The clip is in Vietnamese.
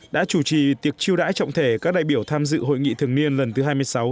đã chủ trì tiệc chiêu đãi trọng thể các đại biểu tham dự hội nghị thường niên lần thứ hai mươi sáu